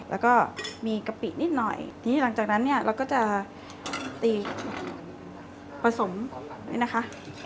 แล้วก็มีกะปินิดหน่อยทีนี้หลังจากนั้นเนี่ยเราก็จะตีผสมนี่นะคะ